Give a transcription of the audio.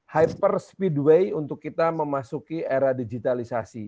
hyper speedway untuk kita memasuki era digitalisasi